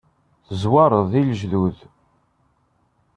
Tezwareḍ i lejdud.